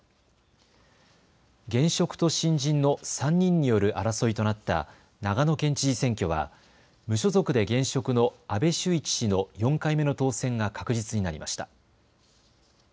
現職と新人の３人による争いとなった長野県知事選挙は無所属で現職の阿部守一氏の４回目の当選が確実になりました。